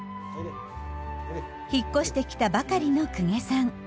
引っ越してきたばかりの久下さん。